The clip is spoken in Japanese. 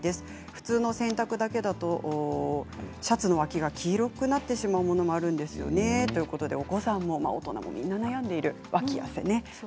普通の洗濯だけだとシャツの脇が黄色くなってしまうものも、あるんですよねということでお子さんも大人もみんな悩んでいる脇汗。